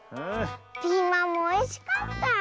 ピーマンもおいしかった！